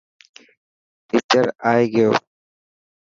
ٽيچر ائي گيو.